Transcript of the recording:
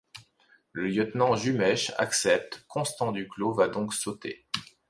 Le lieutenant Jumesch accepte, Constant Duclos va donc sauter.